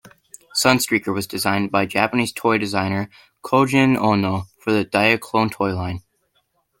Sunstreaker was designed by Japanese toy designer Kohjin Ohno for the Diaclone toy line.